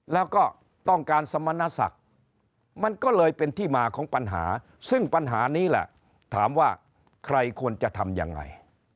แล้วก็ต้องการสมณศักดิ์มันก็เลยเป็นที่มาของปัญหาซึ่งปัญหานี้แหละถามว่าใครควรจะทำยังไง